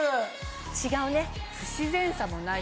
違うね。